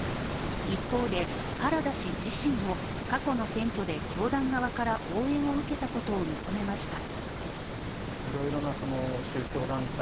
一方で、原田氏自身も過去の選挙で教団側から応援を受けたことを認めました。